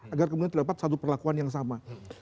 agar kemudian terdapat satu perlakuan yang sama